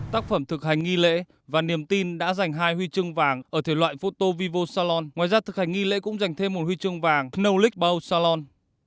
tác phẩm thực hành nghi lễ và niềm tin đã giành hai huy chương vàng ở thể loại photovivo salon ngoài ra thực hành nghi lễ cũng dành thêm một huy chương vàng nolik bow salon